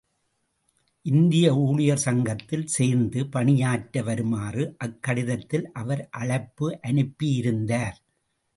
இந்திய ஊழியர் சங்கத்தில் சேர்ந்து பணியாற்ற வருமாறு அக்கடிதத்தில் அவர் அழைப்பு அனுப்பியிருந்தார்.